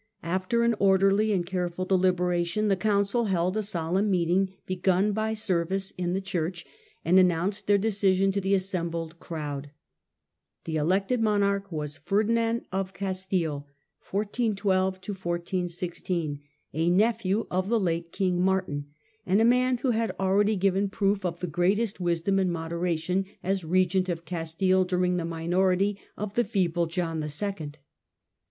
After an orderly and careful deli beration, the Council held a solemn meeting begun by service in the church, and announced their decision to the assembled crowd. Ferdinand The elected monarch was Ferdinand of Castile, a nephew of the late King Martin, and a man who had al ready given proof of the greatest wisdom and modera tion as Eegent of Castile during the minority of the feeble John II. (see p. 247).